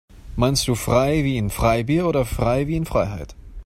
Meinst du frei wie in Freibier oder frei wie in Freiheit?